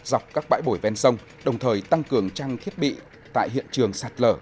dọc các bãi bồi ven sông đồng thời tăng cường trang thiết bị tại hiện trường sạt lở